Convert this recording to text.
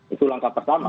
itu langkah pertama